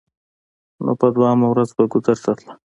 نو په درېمه ورځ به ګودر ته تله.